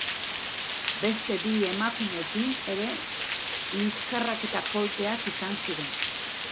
Beste bi emakumeekin ere liskarrak eta kolpeak izan ziren.